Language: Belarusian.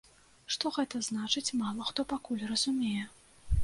Што гэта значыць, мала хто пакуль разумее.